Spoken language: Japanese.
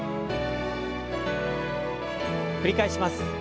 繰り返します。